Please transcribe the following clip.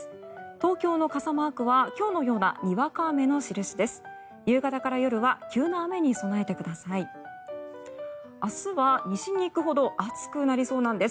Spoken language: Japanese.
東京の傘マークは今日のようなにわか雨の印です。